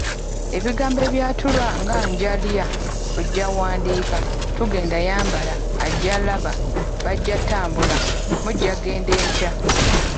Ebigambo ebyatulwa nga nja lya, ojja wandiika, tugenda yambala, ajja laba, bajja ttambula, mujja ggenda enkya